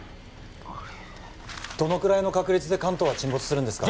どのくらいの確率で関東は沈没するんですか？